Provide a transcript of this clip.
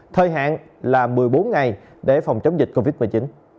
thời hạn là một mươi bốn ngày để phòng chống dịch covid một mươi chín